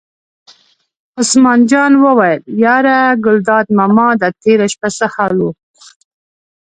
عثمان جان وویل: یاره ګلداد ماما دا تېره شپه څه حال و.